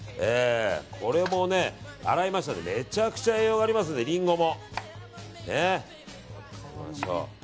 これもめちゃくちゃ栄養がありますのでリンゴも。